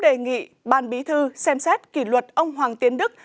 đề nghị ban bí thư xem xét kỷ luật ông hoàng tiến đức